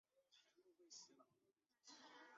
二型鳞毛蕨为鳞毛蕨科鳞毛蕨属下的一个种。